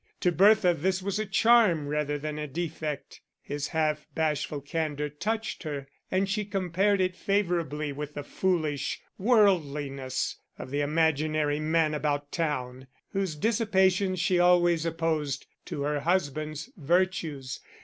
To Bertha this was a charm rather than a defect; his half bashful candour touched her, and she compared it favourably with the foolish worldliness of the imaginary man about town, whose dissipations she always opposed to her husband's virtues.